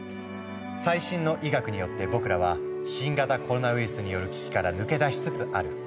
最新の医学によって僕らは新型コロナウイルスによる危機から抜け出しつつある。